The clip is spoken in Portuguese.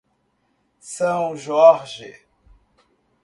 São Jorge